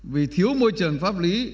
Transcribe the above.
vì thiếu môi trường pháp lý